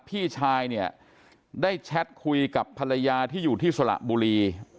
พี่ชายเนี่ยได้แชทคุยกับภรรยาที่อยู่ที่สระบุรี